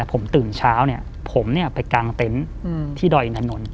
ผมตื่นเช้าเนี้ยผมเนี้ยไปกางเต็นท์อืมที่ดอยน์ดานนท์